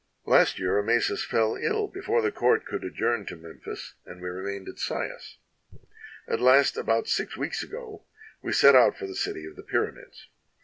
"Last year Amasis fell ill before the court could ad journ to Memphis, and we remained at Sais. "At last, about six weeks ago, we set out for the city of the Pyramids.